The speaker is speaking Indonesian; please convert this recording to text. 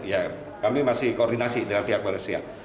ya kami masih koordinasi dengan pihak malaysia